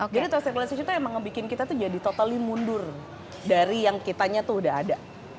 jadi toxic relationship tuh emang bikin kita tuh jadi totally mundur dari yang kitanya tuh udah ada